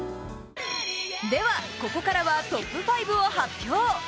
では、ここからはトップ５を発表！